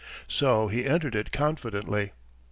So he entered it confidently.